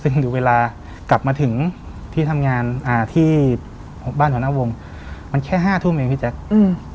ซึ่งเวลากลับมาถึงที่ทำงานอ่าที่บ้านหัวหน้าวงมันแค่ห้าทุ่มเองพี่แจ๊คอืม